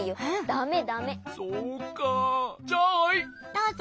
どうぞ。